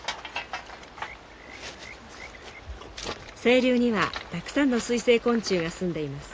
清流にはたくさんの水生昆虫がすんでいます。